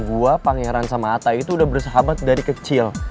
gue pangeran sama atta itu udah bersahabat dari kecil